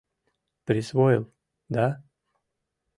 Присвоил, да?